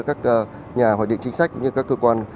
các nhà hoạch định chính sách như các cơ quan